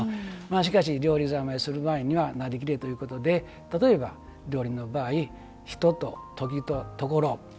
しかし、料理三昧する場合にはなりきれということで例えば、料理の場合、人と時と所。